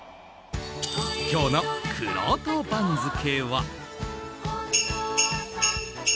今日のくろうと番付は。